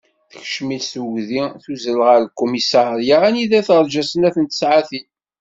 Tekcem-itt tugdi, tuzzel ɣer lkumisarya anida terǧa snat n tsaɛtin.